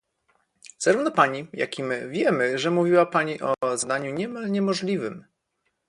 Zarówno pani, jak i my wiemy, że mówiła pani o zadaniu niemal niemożliwym